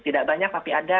tidak banyak tapi ada